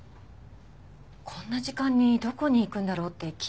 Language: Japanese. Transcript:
こんな時間にどこに行くんだろうって気になって。